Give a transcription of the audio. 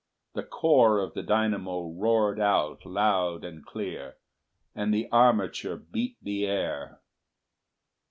The core of the dynamo roared out loud and clear, and the armature beat the air.